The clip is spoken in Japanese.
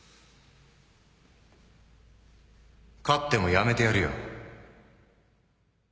勝っても辞めてやるよ